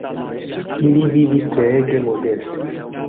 Ili vivis treege modeste.